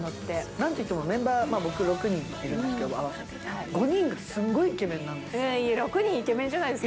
なんといってもメンバー６人いるんですけど、合わせて、５人がすんごいイケメンなんです。